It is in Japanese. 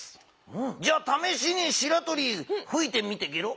じゃあためしにしらとりふいてみてゲロ？